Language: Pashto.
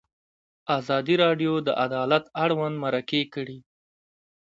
ازادي راډیو د عدالت اړوند مرکې کړي.